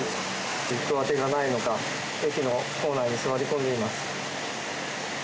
行く当てがないのか駅の構内に座り込んでいます。